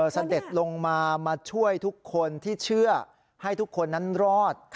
เสด็จลงมามาช่วยทุกคนที่เชื่อให้ทุกคนนั้นรอด